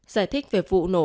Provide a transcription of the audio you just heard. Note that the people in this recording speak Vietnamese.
giải thích về vụ nổ